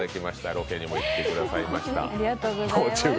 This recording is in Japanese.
ロケにも行ってくださいました。